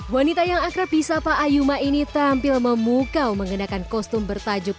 wanita yang akrab di sapa ayuma ini tampil memukau mengenakan kostum bertajuk